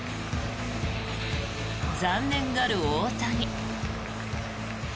残念がる大谷。